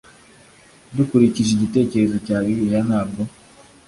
Dukurikije igitekerezo cya bibiliya ntabwo